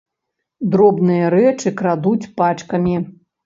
Дробныя рэчы крадуць пачкамі.